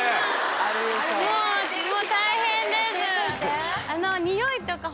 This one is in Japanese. もう大変です。